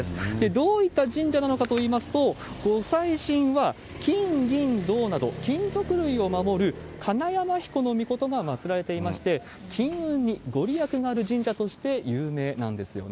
どういった神社なのかといいますと、ご祭神は、金銀銅など、金属類を守る、カナヤマヒコノミコトが祭られていまして、金運にご利益がある神社として有名なんですよね。